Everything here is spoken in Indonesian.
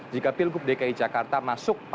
jika pilgub dki jakarta masuk